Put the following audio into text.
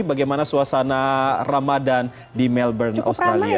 bagaimana suasana ramadan di melbourne australia